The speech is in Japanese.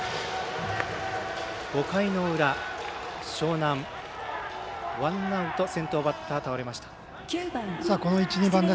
５回の裏、樟南ワンアウト先頭バッター倒れました。